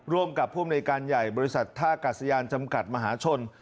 ร่วมกับผู้อำนวยการใหญ่บริษัทท่ากาศยานจำกัดมหาชน